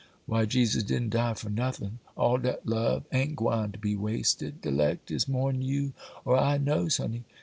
Why, Jesus didn't die for nothin',—all dat love a'n't gwine to be wasted. De 'lect is more'n you or I knows, honey!